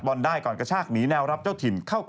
เออมันเหนียวจริงน่ะ